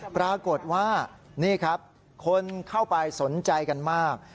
ปรากฏว่านี่ครับคนเข้าไปสนใจกันมาก